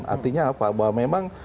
artinya apa bahwa memang